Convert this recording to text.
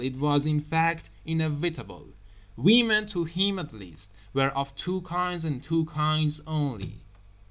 It was in fact inevitable. Women, to him at least, were of two kinds and two kinds only.